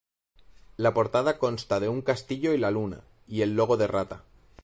La portada consta de un castillo y la luna, y el logo de Rata.